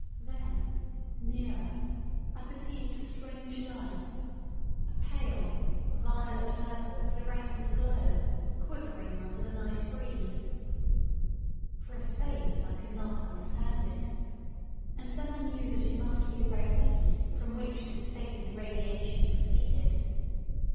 Then, nearer, I perceived a strange light, a pale, violet purple fluorescent glow, quivering under the night breeze. For a space I could not understand it, and then I knew that it must be the red weed from which this faint irradiation proceeded.